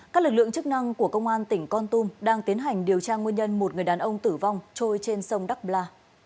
các lực lượng chức năng của công an tỉnh con tum đang tiến hành điều tra nguyên nhân một người đàn ông tử vong trôi trên sông đắk bla